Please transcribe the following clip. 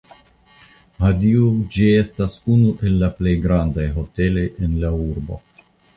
Hodiaŭ ĝi estas unu el la plej grandaj hoteloj en la urbo.